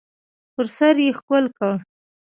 پر سر یې ښکل کړ .